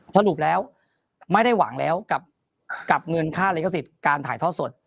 สรุปแล้วไม่ได้หวังแล้วกับเงินค่าลิขสิทธิ์การถ่ายทอดสด